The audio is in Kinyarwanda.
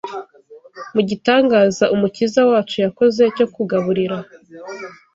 Mu gitangaza Umukiza wacu yakoze cyo kugaburira